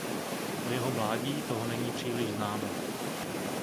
O jeho mládí toho není příliš známo.